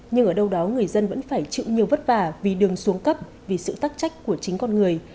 nhưng ở đâu đó người dân vẫn phải chịu nhiều vất vả vì đường xuống cấp vì sự tắc trách của chính con người